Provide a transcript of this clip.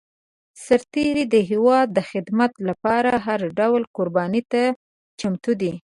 سرتېری د هېواد د خدمت لپاره هر ډول قرباني ته چمتو دی.